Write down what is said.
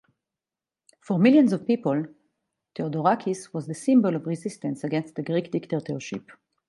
For millions of people, Theodorakis was the symbol of resistance against the Greek dictatorship.